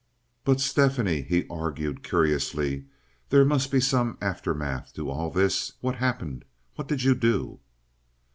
"But, Stephanie," he argued, curiously, "there must been some aftermath to all this. What happened? What did you do?"